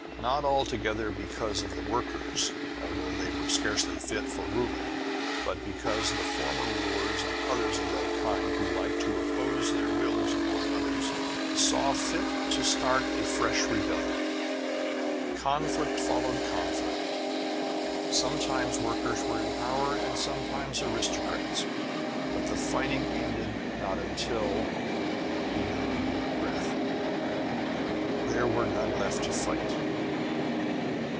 "Not altogether because of the workers, although they were scarcely fit for ruling but because the former rulers and others of that kind, who liked to oppose their wills upon others, saw fit to start a fresh rebellion. Conflict followed conflict; sometimes workers were in power, and sometimes aristocrats. But the fighting ended not until" he drew a deep breath "until there were none left to fight!"